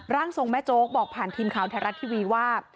ร่างทรงแม่โจ๊กบอกผ่านทีมข่าวไทยรัฐทีวีว่า